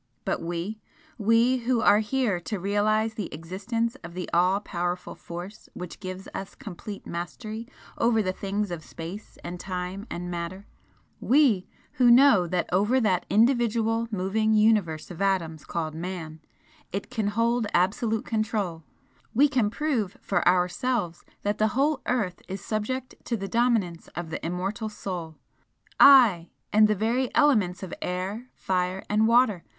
But we, we who are here to realise the existence of the all powerful Force which gives us complete mastery over the things of space and time and matter we, who know that over that individual moving universe of atoms called Man, It can hold absolute control, we can prove for ourselves that the whole earth is subject to the dominance of the immortal Soul, ay! and the very elements of air, fire and water!